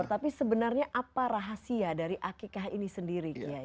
tapi sebenarnya apa rahasia dari akikah ini sendiri